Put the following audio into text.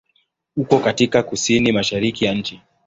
Uko katika kusini-mashariki ya nchi.